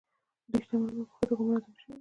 دوی شتمن او په ښه توګه منظم شوي دي.